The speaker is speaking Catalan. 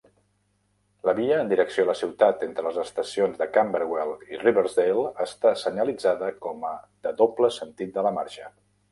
La via en direcció a la ciutat entre les estacions de Camberwell i Riversdale està senyalitzada com a de doble sentit de la marxa.